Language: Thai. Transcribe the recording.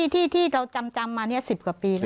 ที่เราจำมา๑๐กว่าปี